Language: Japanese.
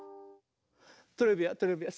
トレビアントレビアン。